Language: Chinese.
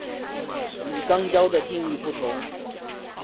与肛交的定义不同。